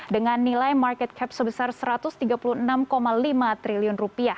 dengan nilai market cap sebesar rp satu ratus tiga puluh enam lima triliun